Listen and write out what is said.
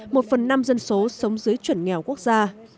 một phần năm dân số sống dưới chuẩn nghèo quốc gia